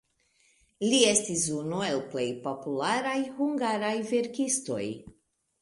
Li estis unu el plej popularaj hungaraj verkistoj.